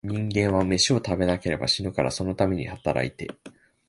人間は、めしを食べなければ死ぬから、そのために働いて、